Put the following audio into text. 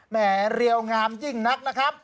แหมเรียวงามยิ่งนักนะครับ